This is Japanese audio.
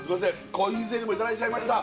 コーヒーゼリーもいただいちゃいました